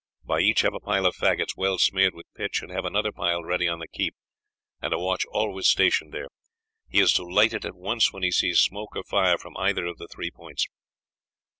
By each have a pile of faggots, well smeared with pitch, and have another pile ready on the keep, and a watch always stationed there. He is to light it at once when he sees smoke or fire from either of the three points.